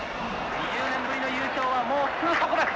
２０年ぶりの優勝はもうすぐそこです。